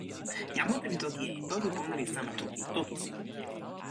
jan mute li toki e ni: toki pona li sama toki Tokisin.